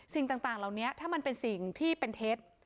สิ่งต่างเหล่านี้ถ้ามันเป็นสิ่งที่เป็นเท็จ